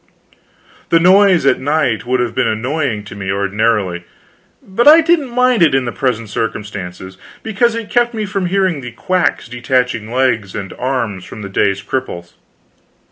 The noise at night would have been annoying to me ordinarily, but I didn't mind it in the present circumstances, because it kept me from hearing the quacks detaching legs and arms from the day's cripples.